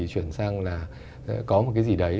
chuyển sang là có một cái gì đấy